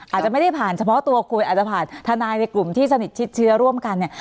อาจจะไม่ได้ผ่านเฉพาะตัวคุณอาจจะผ่านทนายในกลุ่มที่สนิทชิดเชื้อร่วมกันเนี่ย